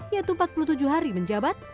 yaitu empat puluh tujuh hari menjabat